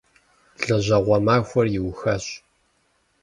Лэжьэгъуэ махуэр иухащ.